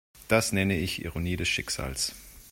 Das nenne ich Ironie des Schicksals.